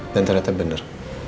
dan ternyata bener